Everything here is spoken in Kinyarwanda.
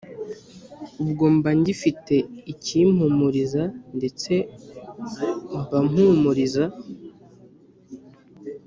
Ubwo mba ngifite ikimpumuriza ndetse mbampumuriza